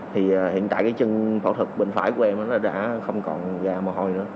thì hiện tại cái chân phẫu thuật bên phải của em nó đã không còn ra mồ hôi nữa